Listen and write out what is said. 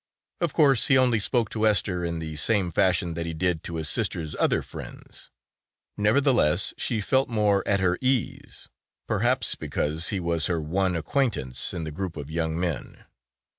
Of course he only spoke to Esther in the same fashion that he did to his sister's other friends, nevertheless she felt more at her ease, perhaps because he was her one acquaintance in the group of young men.